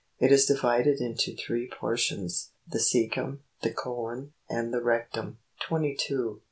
It is divided into three portions ; the ccecum, the colon, and the rectum, (page (57. fig.